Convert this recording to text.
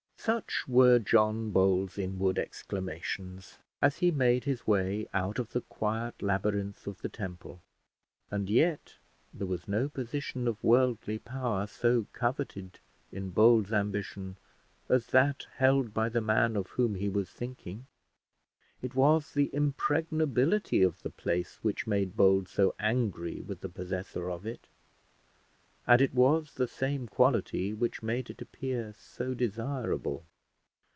Such were John Bold's inward exclamations as he made his way out of the quiet labyrinth of the Temple; and yet there was no position of worldly power so coveted in Bold's ambition as that held by the man of whom he was thinking. It was the impregnability of the place which made Bold so angry with the possessor of it, and it was the same quality which made it appear so desirable.